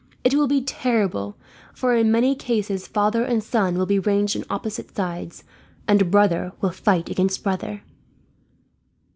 It will be terrible, for in many cases father and son will be ranged on opposite sides, and brother will fight against brother."